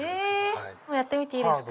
やってみていいですか。